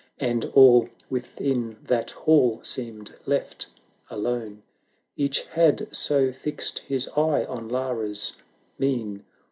And all within that hall seemed left alone: Each had so fixed his eye on Lara's mien.